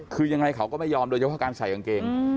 คือยังไงเขาก็ไม่ยอมโดยเฉพาะการใส่กางเกง